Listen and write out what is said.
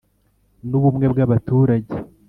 N ubumwe bw abaturage